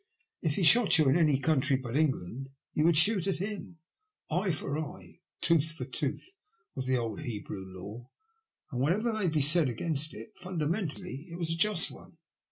If he shot at you in any country but England, you would shoot at him. Eye for eye, and tooth for tooth, was the old Hebrew law, and whatever may be said against it, fundamentally it was a just one."